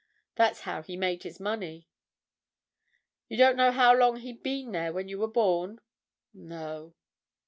That's how he made his money." "You don't know how long he'd been there when you were born?" "No."